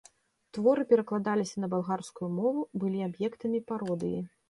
Творы перакладаліся на балгарскую мову, былі аб'ектамі пародыі.